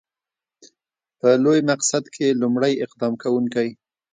په لوی مقصد کې لومړی اقدام کوونکی.